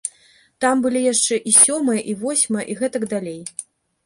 Там былі яшчэ і сёмае, і восьмае, і гэтак далей.